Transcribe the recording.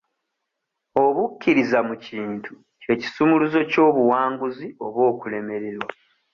Obukkiriza mu kintu kye kisumuluzo ky'obuwanguzi oba okulemererwa.